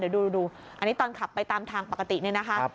เดี๋ยวดูตอนขับไปตามทางปกตินี่นะคะ